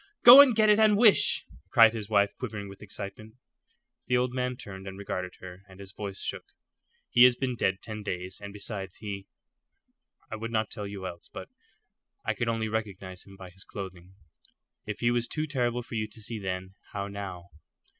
"Go and get it and wish," cried his wife, quivering with excitement. The old man turned and regarded her, and his voice shook. "He has been dead ten days, and besides he I would not tell you else, but I could only recognize him by his clothing. If he was too terrible for you to see then, how now?"